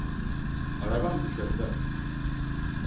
Arabam dışarıda.